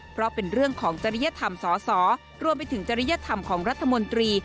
เพราะเป็นเรื่องของจริยธรรมสอสอรวมไปถึงจริยธรรมของรัฐมนตรี